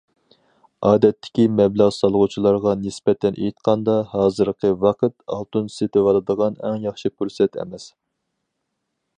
ئادەتتىكى مەبلەغ سالغۇچىلارغا نىسبەتەن ئېيتقاندا، ھازىرقى ۋاقىت ئالتۇن سېتىۋالىدىغان ئەڭ ياخشى پۇرسەت ئەمەس.